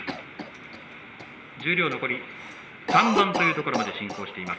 十両残り３番というところまで進んでいます。